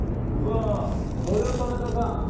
うわぁこれは田中さん